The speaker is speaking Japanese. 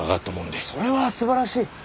それは素晴らしい。